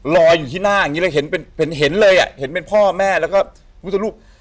รออยู่ที่หน้าอย่างนี้แล้วเห็นเป็นเห็นเลยอ่ะเห็นเป็นพ่อแม่แล้วก็พุทธรูป